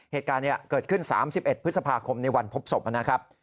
เหตุการณ์เกิดขึ้น๓๑พฤษภาคมในวันพบศพนะครับ